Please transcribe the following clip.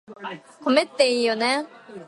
米っていいよね